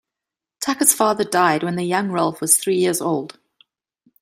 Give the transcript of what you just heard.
Tucker's father died when the young Ralph was three years old.